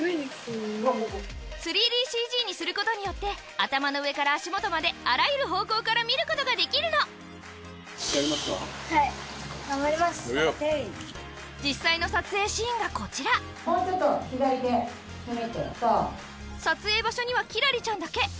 ３ＤＣＧにすることによって頭の上から足元まであらゆる方向から見ることができるの実際の撮影シーンがこちら撮影場所にはキラリちゃんだけ。